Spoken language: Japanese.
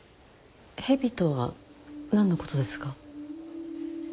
ヘビとは何のことですか？